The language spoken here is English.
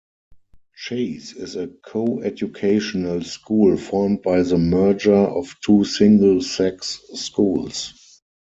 Chase is a co-educational school formed by the merger of two single-sex schools.